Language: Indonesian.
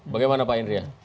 bagaimana pak indri ya